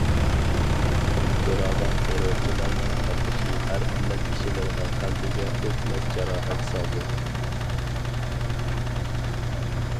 زوراۋان- تېررورچىلارنىڭ قىلمىشى ھەر مىللەت كىشىلىرىنىڭ قەلبىگە ئۆچمەس جاراھەت سالدى.